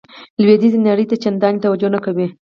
لویدیځې نړۍ ته چندانې توجه نه کوي.